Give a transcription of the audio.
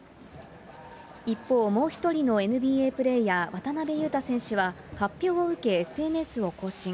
一方、もう１人のＮＢＡプレーヤー、渡邊雄太選手は発表を受けＳＮＳを更新。